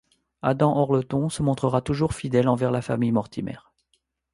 Adam Orleton se montrera toujours fidèle envers la famille Mortimer.